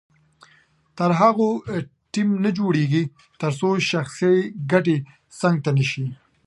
تر هغو ټیم نه جوړیږي تر څو شخصي ګټې څنګ ته نه شي.